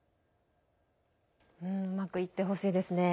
うまくいってほしいですね。